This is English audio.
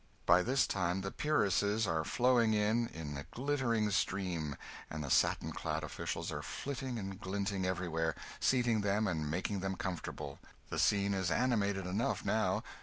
By this time the peeresses are flowing in in a glittering stream, and the satin clad officials are flitting and glinting everywhere, seating them and making them comfortable. The scene is animated enough now.